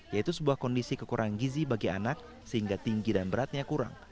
yaitu sebuah kondisi kekurangan gizi bagi anak sehingga tinggi dan beratnya kurang